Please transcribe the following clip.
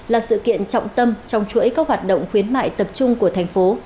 là sự kiện trọng tâm trong chuỗi các hoạt động khuyến mại tập trung của thành phố